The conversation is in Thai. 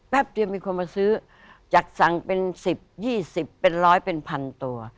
แป๊บเดียวมีคนมาซื้อจากสั่งเป็น๑๐๒๐เป็น๑๐๐เป็น๑๐๐๐ตัว